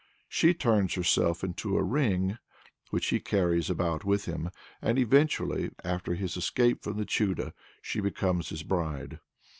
She turns herself into a ring, which he carries about with him, and eventually, after his escape from the Chudo, she becomes his bride.